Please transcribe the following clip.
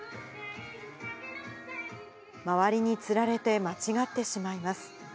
周りにつられて、間違ってしまいます。